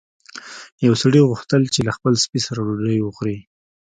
یو سړي غوښتل چې له خپل سپي سره ډوډۍ وخوري.